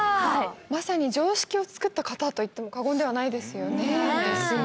まさに常識を作った方といっても過言ではないですよねそうなんですよ